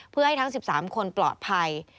เพื่อให้ทั้ง๑๓คนปลอดภัย